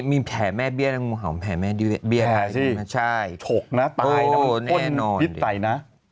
มีแผลแม่เบี้ยดอังงูเห่าแผลแม่เบี้ยดไหล่ใช่โอ้แน่นอน